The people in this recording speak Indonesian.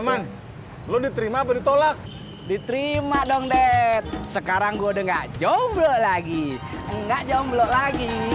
emang lo diterima atau ditolak diterima dong det sekarang gua dengar jomblo lagi enggak jomblo lagi